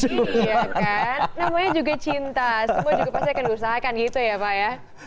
iya kan namanya juga cinta semua juga pasti akan diusahakan gitu ya pak ya